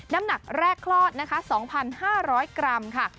น้ำหนักแรกคลอดนะคะ๒๕๐๐กรัมค่ะ